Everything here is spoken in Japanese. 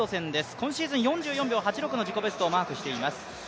今シーズン４６秒８６の自己ベストを持っています。